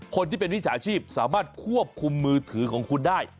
คนที่เป็นวิชาชีพสามารถควบคุมมือถือของคุณได้